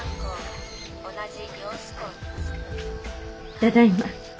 ただいま。